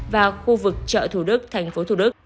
và khu vực chợ thủ đức tp thủ đức